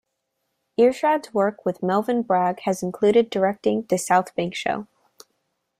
Irshad's work with Melvyn Bragg has included directing "The South Bank Show".